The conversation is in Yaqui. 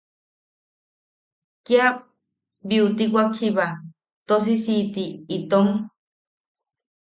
Kia biutiwak jiba tosisiʼiti itom.